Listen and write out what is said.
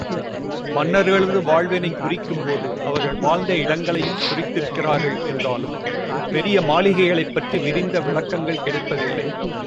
மன்னர்களது வாழ்வினைக் குறிக்கும்போது அவர்கள் வாழ்ந்த இடங்களையும் குறித்திருக்கிறார்கள் என்றாலும், பெரிய மாளிகைகளைப் பற்றி விரிந்த விளக்கங்கள் கிடைப்பதில்லை.